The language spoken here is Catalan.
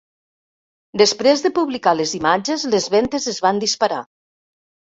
Després de publicar les imatges, les ventes es van disparar.